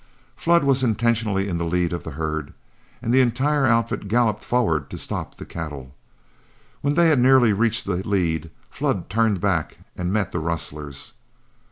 Flood was intentionally in the lead of the herd, and the entire outfit galloped forward to stop the cattle. When they had nearly reached the lead, Flood turned back and met the rustlers.